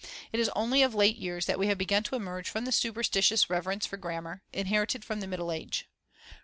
It is only of late years that we have begun to emerge from the superstitious reverence for grammar, inherited from the Middle Age.